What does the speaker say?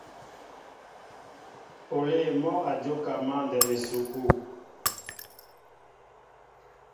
Olê mɔ́ a jóka mǎndɛm esukû.